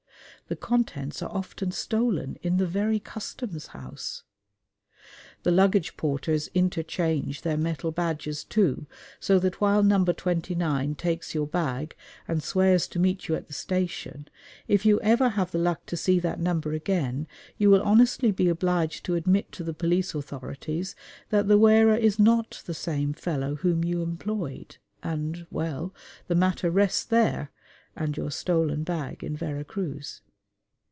The contents are often stolen in the very Customs House. The luggage porters interchange their metal badges, too, so that while No. 29 takes your bag and swears to meet you at the station, if you ever have the luck to see that number again, you will honestly be obliged to admit to the police authorities that the wearer is not the same fellow whom you employed and ... well, the matter rests there and your stolen bag in Vera Cruz.